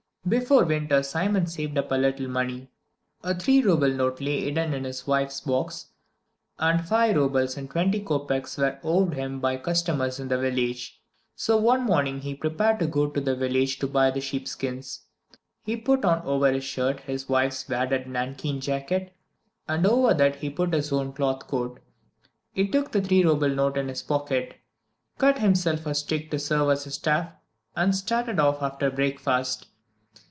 Before winter Simon saved up a little money: a three rouble note lay hidden in his wife's box, and five roubles and twenty kopeks were owed him by customers in the village. So one morning he prepared to go to the village to buy the sheep skins. He put on over his shirt his wife's wadded nankeen jacket, and over that he put his own cloth coat. He took the three rouble note in his pocket, cut himself a stick to serve as a staff, and started off after breakfast.